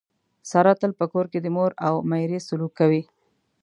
ساره تل په کور کې د مور او میرې سلوک کوي.